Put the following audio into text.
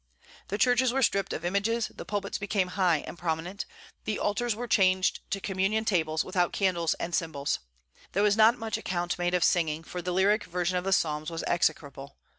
The churches were stripped of images, the pulpits became high and prominent, the altars were changed to communion tables without candles and symbols. There was not much account made of singing, for the lyric version of the Psalms was execrable.